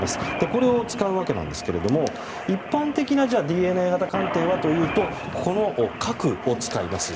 これを使うわけなんですが一般的なＤＮＡ型鑑定はというと核を使います。